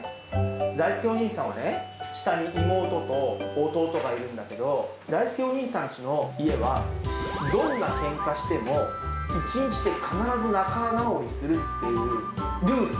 だいすけお兄さんはね、下に妹と弟がいるんだけど、だいすけお兄さんちの家は、どんなけんかしても、１日で必ず仲直りするっていうルール。